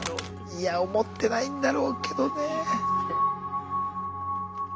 いや思ってないんだろうけどね。